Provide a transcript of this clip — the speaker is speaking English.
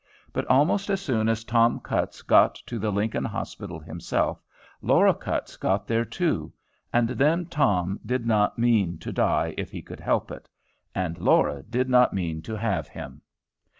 But almost as soon as Tom Cutts got to the Lincoln Hospital himself, Laura Cutts got there too, and then Tom did not mean to die if he could help it, and Laura did not mean to have him.